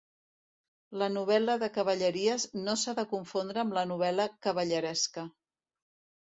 La novel·la de cavalleries no s'ha de confondre amb la novel·la cavalleresca.